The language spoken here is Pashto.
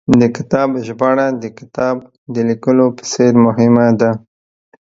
د کتاب ژباړه، د کتاب د لیکلو په څېر مهمه ده